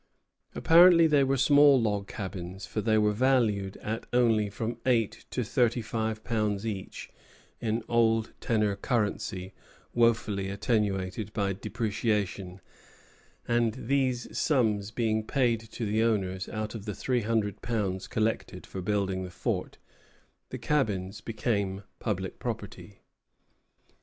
Apparently they were small log cabins; for they were valued at only from eight to thirty five pounds each, in old tenor currency wofully attenuated by depreciation; and these sums being paid to the owners out of the three hundred pounds collected for building the fort, the cabins became public property.